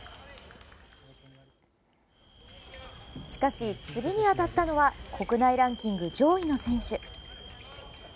しかし、次に当たったのは国内ランキング上位の選手。